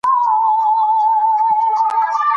چې زه يې د پرداخت توانايي نه لرم.